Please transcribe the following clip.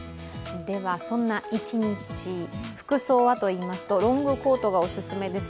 そんな一日、服装はといいますとロングコートがオススメですよ。